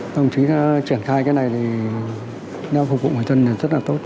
đồng chí đã triển khai cái này thì nó phục vụ mọi dân rất là tốt